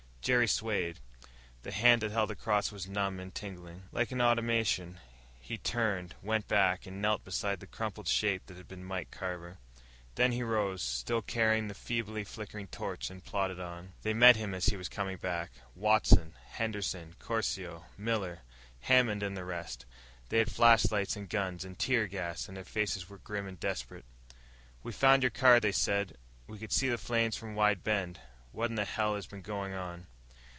Jerry swayed. The hand that held the cross was numb and tingling. Like an automaton, he turned, went back, and knelt beside the crumpled shape that had been Mike Carver. Then he rose, still carrying the feebly flickering torch, and plodded on.... They met him as he was coming back Watson, Henderson, Caruso, Miller, Hammond and the rest. They had flashlights and guns and tear gas, and their faces were grim and desperate. "We found your car," they said. "We could see the flames from Wide Bend. What in hell has been going on?"